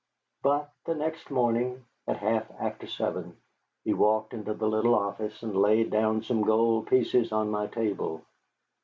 But the next morning, at half after seven, he walked into the little office and laid down some gold pieces on my table.